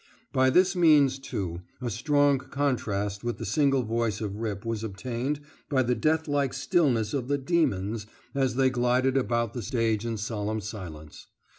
By this means, too, a strong contrast with the single voice of Rip was obtained by the deathlike stillness of the "demons" as they glided about the stage in solemn silence.